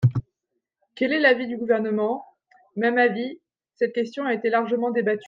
Quel est l’avis du Gouvernement ? Même avis, cette question a été largement débattue.